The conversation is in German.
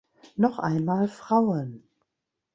Noch einmal Frauen.